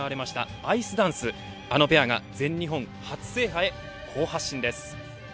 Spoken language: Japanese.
アイスダンスあのペアが全日本初制覇へ好発進です。